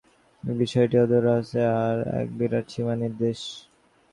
এই বিষয়টি আধ্যাত্মিক রাজ্যের আর এক বিরাট সীমা-নির্দেশ।